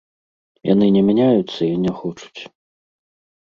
Яны не мяняюцца і не хочуць.